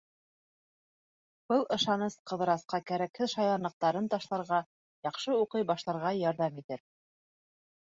Был ышаныс Ҡыҙырасҡа кәрәкһеҙ шаянлыҡтарын ташларға, яҡшы уҡый башларға ярҙам итер.